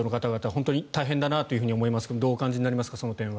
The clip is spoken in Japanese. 本当に大変だなと思いますがその辺はどうお感じになられますか？